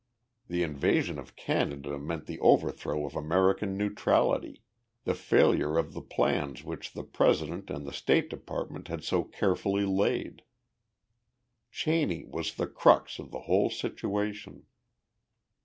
The invasion of Canada meant the overthrow of American neutrality, the failure of the plans which the President and the State Department had so carefully laid. Cheney was the crux of the whole situation.